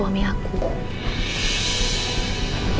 itu artinya aku udah nerima semua kekurangan kamu